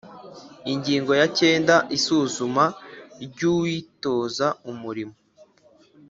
Ingingo ya cyenda Isuzuma ry uwitoza umurimo